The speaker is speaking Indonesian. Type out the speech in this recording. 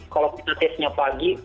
kalau kita tesnya pagi